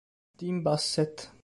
Tim Bassett